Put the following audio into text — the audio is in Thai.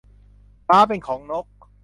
ฟ้าเป็นของนก